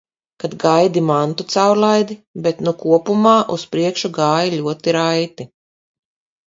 Kad gaidi mantu caurlaidi, bet nu kopumā uz priekšu gāja ļoti raiti.